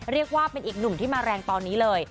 เรียกว่าเป็นอีกหนุ่มที่มาแรงตอนนี้เลย